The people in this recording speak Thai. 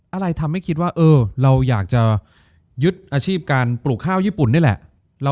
อะไรทำให้คิดว่าเออเราอยากจะยึดอาชีพการปลูกข้าวญี่ปุ่นนี่แหละ